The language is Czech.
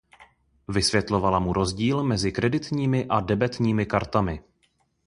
Vysvětlovala mu rozdíl mezi kreditními a debetními kartami.